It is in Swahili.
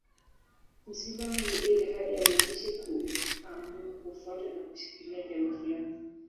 Msimamo ni ile hali ya mwandishi kuamua kufuata na kushikilia jambo fulani.